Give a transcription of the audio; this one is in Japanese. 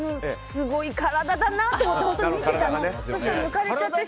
すごい体だなと思って。